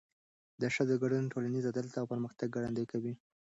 د ښځو ګډون ټولنیز عدالت او پرمختګ ګړندی کوي.